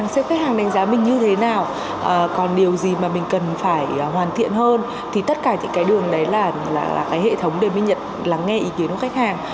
các khách hàng sẽ đánh giá mình như thế nào còn điều gì mà mình cần phải hoàn thiện hơn thì tất cả những cái đường đấy là cái hệ thống để minh nhật là nghe ý kiến của khách hàng